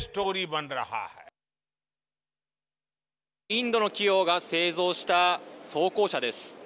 インドの企業が製造した装甲車です。